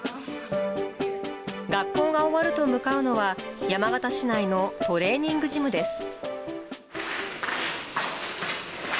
学校が終わると向かうのは、山形市内のトレーニングジムです。